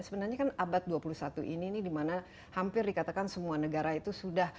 sebenarnya kan abad dua puluh satu ini dimana hampir dikatakan semua negara itu sudah